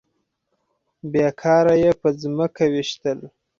بې کاره يې په ځمکه ويشتل.